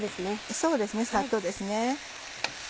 そうですねサッとですね。